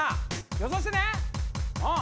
予想してね！